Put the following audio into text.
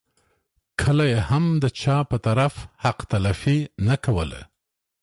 کله یې هم د چا په طرف حق تلفي نه کوله.